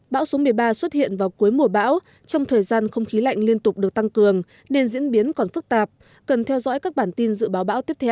bão số một mươi ba xuất hiện vào cuối mùa bão trong thời gian không khí lạnh liên tục được tăng cường nên diễn biến còn phức tạp cần theo dõi các bản tin dự báo bão tiếp theo